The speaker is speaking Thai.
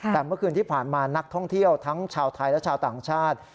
แต่เมื่อคืนที่ผ่านมานักท่องเที่ยวทั้งชาวไทยและชาวต่างชาติ